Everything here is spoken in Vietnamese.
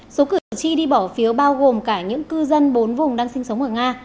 số cử tri đi bỏ phiếu bao gồm cả những cư dân bốn vùng đang sinh sống ở nga